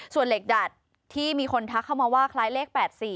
ส่วนเหล็กดัดที่มีคนทักเข้ามาว่าคล้ายเลข๘๔